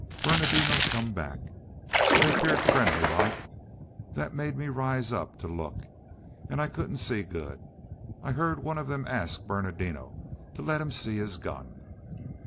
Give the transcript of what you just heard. Bernardino come back. They 'peared friendly like. Thet made me raise up, to look. An' I couldn't see good. I heerd one of them ask Bernardino to let him see his gun.